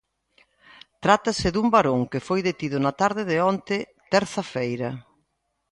Trátase dun varón que foi detido na tarde de onte, terza feira.